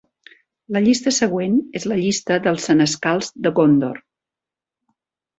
La llista següent és la llista dels Senescals de Góndor.